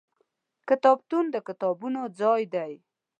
کتابتون د کتابونو ځای دی.